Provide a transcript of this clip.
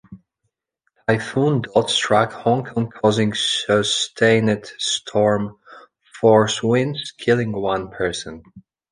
Typhoon Dot struck Hong Kong causing sustained storm force winds, killing one person.